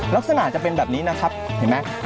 ลักษณะจะเป็นแบบนี้นะครับเห็นไหม